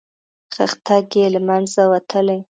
خښتګ یې له منځه وتلی.